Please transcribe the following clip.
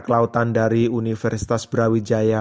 kelautan dari universitas brawijaya